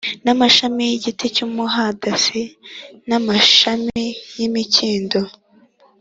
n amashami y igiti cy umuhadasi n amashami y imikindo